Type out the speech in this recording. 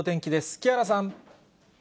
木原さん。